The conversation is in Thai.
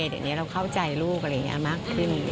เดี๋ยวนี้เราเข้าใจลูกอะไรอย่างนี้มากขึ้น